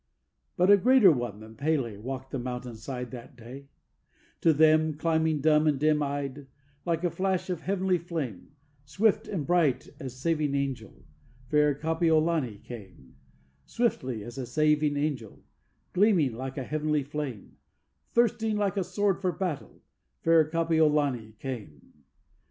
But a greater one than P├®l├® walked the mountain side that day; To them, climbing, dumb and dim eyed like a flash of heavenly flame, Swift and bright as saving angel, fair Kapiolani came, Swiftly as a saving angel, gleaming like a heavenly flame, Thirsting like a sword for battle, fair Kapiolani came.